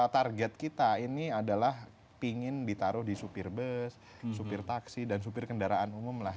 target kita ini adalah pingin ditaruh di supir bus supir taksi dan supir kendaraan umum lah